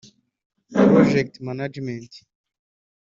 Project management